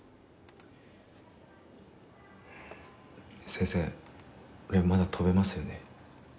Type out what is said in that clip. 先生俺まだ飛べますよね？